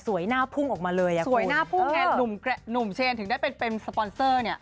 สวยหน้าพุ่งออกมาเลยนะคุณหนุ่มเชนถึงได้เป็นสปอนเซอร์เนี่ย